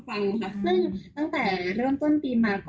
ซึ่งตั้งแต่เริ่มต้นปีมา